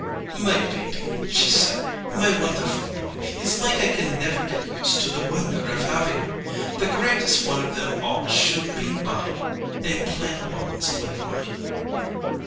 "My baby," she said, "my wonderful boy, it's like I can never get used to the wonder of having you. The greatest one of them all should be mine a plain woman's like mine!"